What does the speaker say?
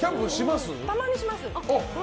たまにします。